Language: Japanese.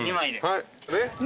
はい。